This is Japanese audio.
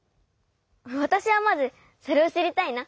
わたしはまずそれをしりたいな。